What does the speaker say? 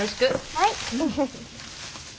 はい。